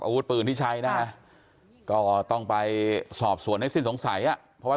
อาวุธปืนที่ใช้นะก็ต้องไปสอบสวนให้สิ้นสงสัยอ่ะเพราะว่า